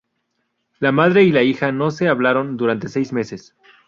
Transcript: La madre y la hija no se hablaron durante seis meses.